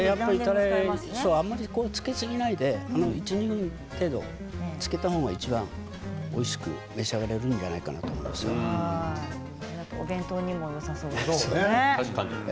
あまり、たれにつけすぎないで１、２分程度つけた方がいちばんおいしく召し上がれるんじゃないかなとお弁当にもよさそうですね。